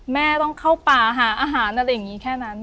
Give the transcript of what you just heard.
แม่ต้องเข้าป่าหาอาหารอะไรอย่างนี้แค่นั้น